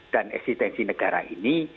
dan eksistensi negara ini